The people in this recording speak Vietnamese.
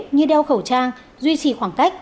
như đeo khẩu trang duy trì khoảng cách